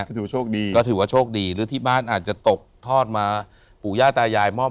ก็ถือว่าโชคดีก็ถือว่าโชคดีหรือที่บ้านอาจจะตกทอดมาปู่ย่าตายายมอบ